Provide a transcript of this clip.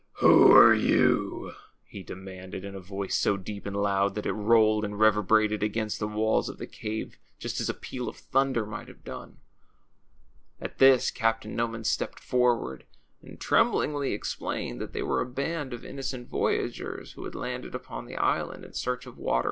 ^ Who are you ?' he demanded, in a voice so deep and loud that it rolled and reverberated against the walls of the cave just as a peal of thunder might have done. ^^At this, Captain Noman stepped forward and trem blingly explained that they were a band of innocent voyagers who had landed upon the island in search of water